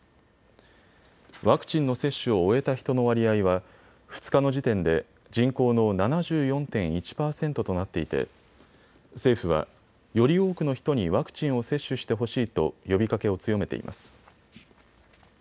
ワクチンの接種を終えた人の割合は２日の時点で人口の７４．１％となっていて政府はより多くの人にワクチンを接種してほしいと呼びかけを強めています。